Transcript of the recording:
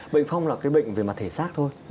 bệnh phong là cái bệnh về mặt thể xác thôi